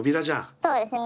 そうですね。